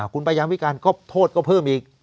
คุณประยามวิการก็โทษก็เพิ่มอีก